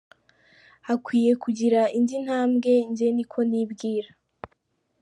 Hakwiye kugira indi ntambwe, njye ni ko nibwira.